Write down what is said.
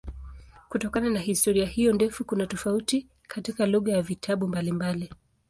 Kutokana na historia hiyo ndefu kuna tofauti katika lugha ya vitabu mbalimbali.